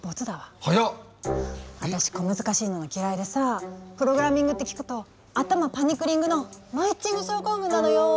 私小難しいのが嫌いでさプログラミングって聞くと頭パニクリングのマイッチング症候群なのよ。